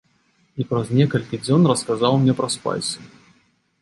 І праз некалькі дзён расказаў мне пра спайсы.